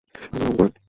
আল্লাহ রহম করেন।